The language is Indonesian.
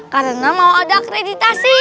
karena mau ada akreditasi